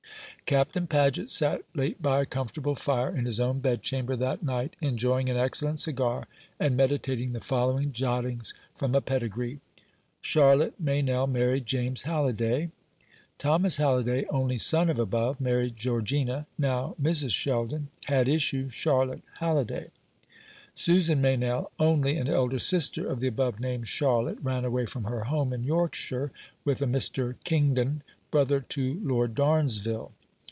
Captain Paget sat late by a comfortable fire, in his own bedchamber, that night, enjoying an excellent cigar, and meditating the following jottings from a pedigree: CHARLOTTE MEYNELL, married JAMES HALLIDAY. | THOMAS HALLIDAY, only son of above, married GEORGINA, now Mrs. SHELDON; | had issue, CHARLOTTE HALLIDAY. SUSAN MEYNELL, only and elder sister of the above named Charlotte, ran away from her home, in Yorkshire, with a Mr. Kingdon, brother to Lord Darnsville.